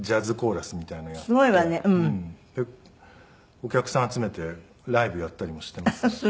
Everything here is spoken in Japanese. お客さん集めてライブをやったりもしていますね。